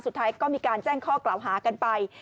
สุดท้ายก็มีการแจ้งข้อกล่าวหากันไป